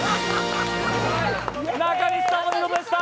中西さん、お見事でした。